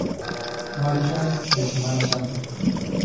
Marchas de Semana Santa